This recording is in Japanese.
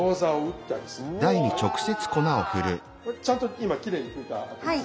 これちゃんと今きれいに拭いたあとです。